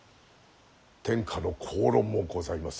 天下の公論もございます